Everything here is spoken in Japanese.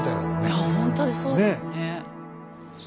いやほんとにそうですね。